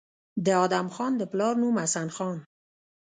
د ادم خان د پلار نوم حسن خان